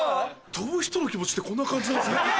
飛ぶ人の気持ちってこんな感じなんですね。